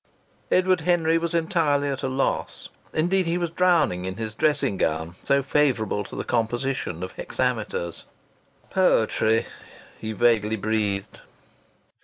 Edward Henry was entirely at a loss. Indeed, he was drowning in his dressing gown, so favourable to the composition of hexameters. "Poetry ..." he vaguely breathed.